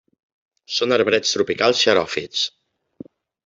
Són arbrets tropicals xeròfits.